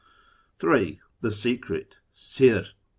The secret (Sirr).